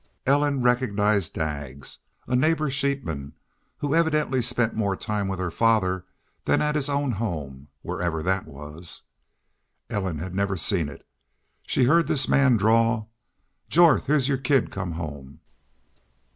Ellen recognized Daggs, a neighbor sheepman, who evidently spent more time with her father than at his own home, wherever that was. Ellen had never seen it. She heard this man drawl, "Jorth, heah's your kid come home."